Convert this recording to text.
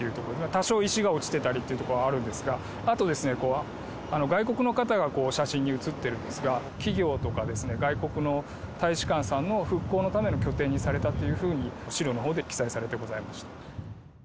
多少、石が落ちてたりというところはあるんですが、あと、外国の方が写真に写ってるんですが、企業とか、外国の大使館さんの復興のための拠点にされたというふうに、史料のほうで記載されてございました。